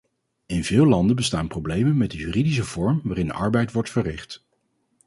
In veel landen bestaan problemen met de juridische vorm waarin arbeid wordt verricht.